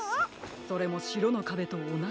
それもしろのかべとおなじいろ。